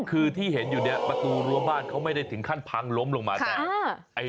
คือที่เห็นอยู่เนี่ยประตูรั้วบ้านเขาไม่ได้ถึงขั้นพังล้มลงมาแต่